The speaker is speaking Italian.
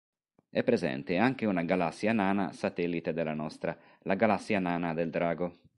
È presente anche una galassia nana satellite della nostra, la Galassia Nana del Drago.